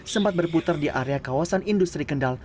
sempat berputar di area kawasan industri kendal